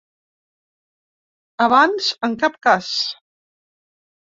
Abans, ‘en cap cas’.